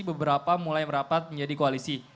beberapa mulai merapat menjadi koalisi